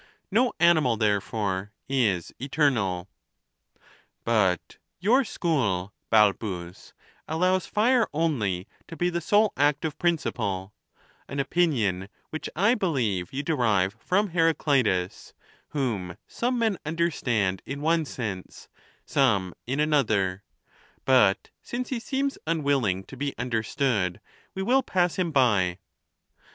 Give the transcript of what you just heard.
No animal, therefore, is eternal. But your school, Balbus, allows fire only to be the sole . active principle; an opinion which I believe you derive from Heraolitus, whom some men understand in one sense, some in another : but since he seems unwilling to be un derstood, we will pass him by.